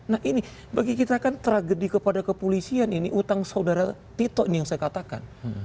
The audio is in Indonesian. nah ini bagi kita kan tragedi kepada kepolisian ini utang saudara tito nih yang saya katakan